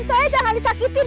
saya jangan disakitin